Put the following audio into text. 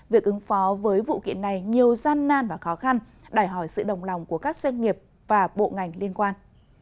việc ứng phó với vụ kiện này nhiều gian nan và khó khăn đòi hỏi sự đồng lòng của các doanh nghiệp và bộ ngành liên quan